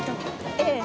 ええ。